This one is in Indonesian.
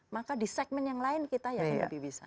maka di segmen yang lain kita yakin lebih bisa